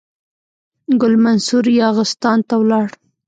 ګل منصور یاغستان ته ولاړ.